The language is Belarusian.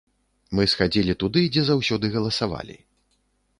Мы схадзілі туды, дзе заўсёды галасавалі.